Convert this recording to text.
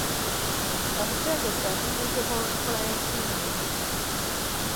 Omutendesi anenyezebwa olw'enkola ya ttiimu embi.